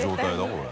これ。